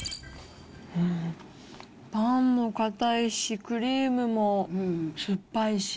パンも硬いしクリームも酸っぱいし。